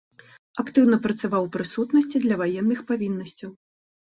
Актыўна працаваў у прысутнасці для ваенных павіннасцяў.